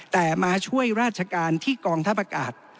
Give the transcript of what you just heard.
แต่มาช่วยราชการที่กองทัพอากาศ